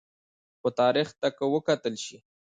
خو تاریخ ته که وکتل شي